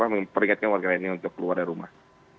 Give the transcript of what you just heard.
memperingatkan warga ini untuk keluar dari rumah